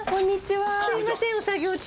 すいません作業中。